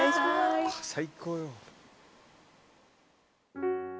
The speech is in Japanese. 最高よ。